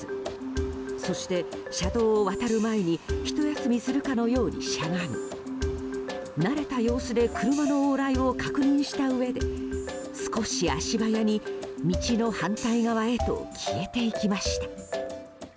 そして、車道を渡る前にひと休みするかのようにしゃがみ慣れた様子で車の往来を確認したうえで少し足早に道の反対側へと消えていきました。